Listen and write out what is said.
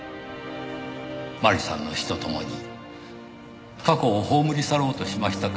麻里さんの死とともに過去を葬り去ろうとしましたか。